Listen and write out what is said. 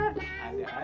dapet dari mana